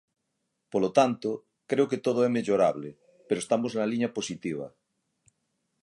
Polo tanto, creo que todo é mellorable, pero estamos na liña positiva.